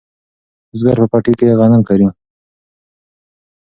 بزګر په پټي کې غنم کري.